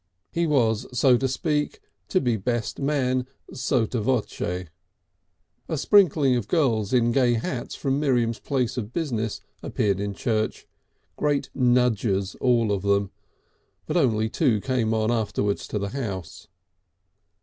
He was, so to speak, to be best man, sotto voce. A sprinkling of girls in gay hats from Miriam's place of business appeared in church, great nudgers all of them, but only two came on afterwards to the house.